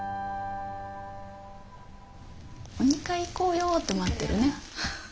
「お二階行こうよ」って待ってるね。